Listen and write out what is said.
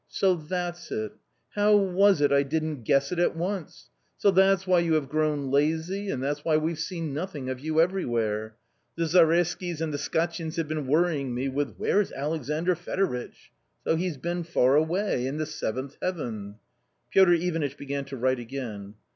" So, that's it ! How was it I didn't guess it at once ? So that's why you have grown lazy, and that's why we have seen nothing of you everywhere. The Zareyskys and the Skat chins have been worrying me with 'Where's Alexandr Fedoritch ?' So he's been far away — in the seventh heaven !" Eotr Ivanitch began to jwrite again.